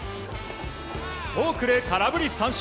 フォークで空振り三振。